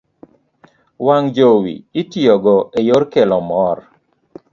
wang' jowi itiyogo e yor kelo mor.